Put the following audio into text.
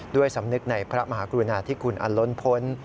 ด้วยสำนึกในพระมหากรุณาธิคุณอันล้นพ้น